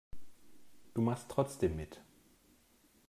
Du machst trotzdem mit.